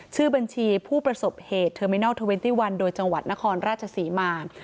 ชื่อบัญชีผู้ประสบเหตุเทอร์มินัล๒๑โดยจังหวัดนครราชศรีมาร์